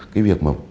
cái việc mà